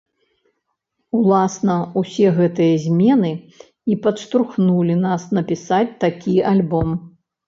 Уласна, усе гэтыя змены і падштурхнулі нас напісаць такі альбом.